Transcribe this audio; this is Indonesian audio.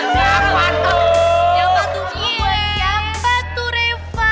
siapa tuh siapa tuh reva